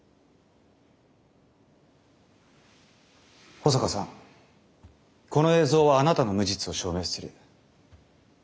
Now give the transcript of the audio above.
保坂さんこの映像はあなたの無実を証明する確たる証拠です。